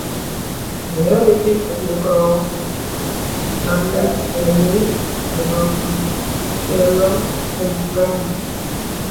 Her ethnic background is Italian, Spanish, Chilean and French.